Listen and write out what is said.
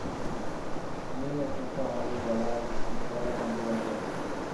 উনিই একমাত্র আমাদের যাওয়া আর বিশৃঙ্খলার মাঝে দাঁড়িয়ে আছেন।